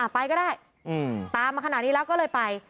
ไปก็ได้ตามมาขนาดนี้แล้วก็เลยไป